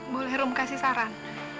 boleh rung kasih saran